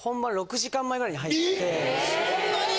そんなに！？